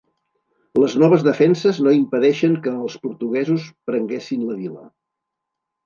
Les noves defenses no impedeixen que els portuguesos prenguessin la vila.